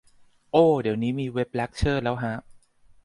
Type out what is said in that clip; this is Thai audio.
โอ้ เดี๋ยวนี้มีเว็บเลคเชอร์แล้วฮะ